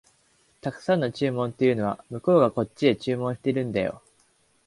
沢山の注文というのは、向こうがこっちへ注文してるんだよ